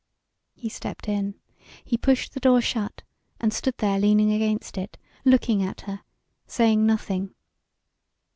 He stepped in. He pushed the door shut, and stood there leaning against it, looking at her, saying nothing.